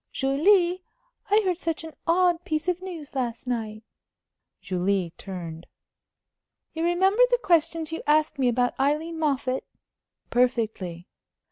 "Julie, I heard such an odd piece of news last night." Julie turned. "You remember the questions you asked me about Aileen Moffatt?" "Perfectly."